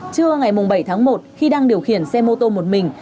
trưa ngày bảy tháng một khi đang điều khiển xe mô tô một mình